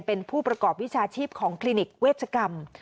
เป็นผู้ประกอบวิชาชีพของคลินิกเวชกรรม